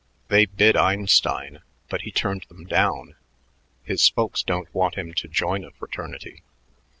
They bid Einstein, but he turned them down; his folks don't want him to join a fraternity.